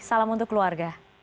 salam untuk keluarga